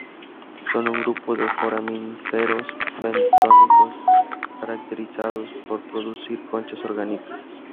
Son un grupo de foraminíferos bentónicos caracterizados por producir conchas orgánicas.